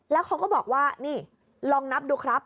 แล้วเขาก็บอกว่านี่ลองนับดูครับ